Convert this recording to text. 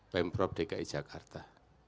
pemprov dki jakarta